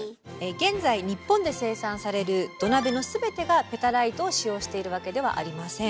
現在日本で生産される土鍋の全てがペタライトを使用しているわけではありません。